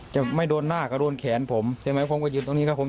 จะไม่โดนหน้าก็โดนแขนผมใช่ไหมผมก็ยืนตรงนี้ครับผม